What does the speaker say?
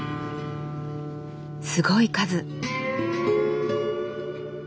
すごい数！